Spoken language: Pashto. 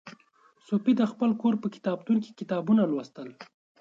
صوفي د خپل کور په کتابتون کې کتابونه لوستل.